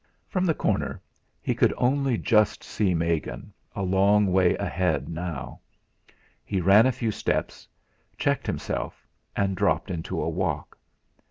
From the corner he could only just see Megan, a long way ahead now. He ran a few steps, checked himself, and dropped into a walk.